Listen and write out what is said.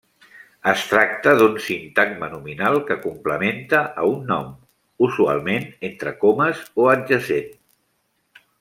Es tracta d'un sintagma nominal que complementa a un nom, usualment entre comes o adjacent.